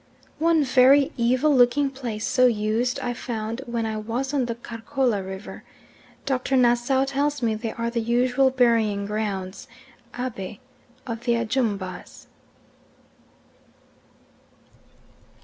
One very evil looking place so used I found when I was on the Karkola river. Dr. Nassau tells me they are the usual burying grounds (Abe) of the Ajumbas.